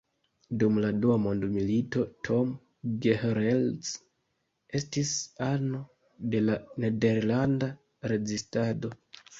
Dum la dua mondmilito, Tom Gehrels estis ano de la nederlanda rezistado.